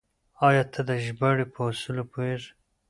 آيا ته د ژباړې په اصولو پوهېږې؟